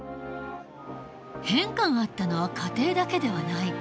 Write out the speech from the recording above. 変化があったのは家庭だけではない。